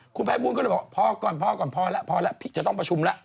คุณภัยบูลก็เลยบอกพอก่อนพอก่อนพอแล้วพอแล้วพี่จะต้องประชุมแล้ว